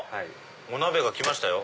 お鍋がきましたよ。